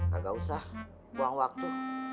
kagak usah buang waktu